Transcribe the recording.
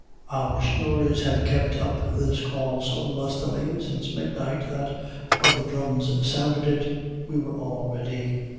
Our snorers had kept up this call so lustily since midnight, that, when the drums sounded it, we were all ready.